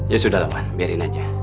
ya sudah lah biarin aja